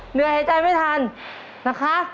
เหนื่อยหายใจไม่ทันนะคะ